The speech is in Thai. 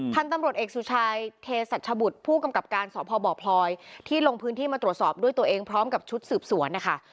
ท่านตำรวจเอกสุชายเทศัชบุตรผู้กำกับการสพบพลอยที่ลงพื้นที่มาตรวจสอบด้วยตัวเองพร้อมกับชุดสืบสวนนะคะ